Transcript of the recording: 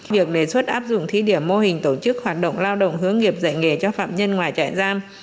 việc đề xuất áp dụng thí điểm mô hình tổ chức hoạt động lao động hướng nghiệp dạy nghề cho phạm nhân ngoài trại giam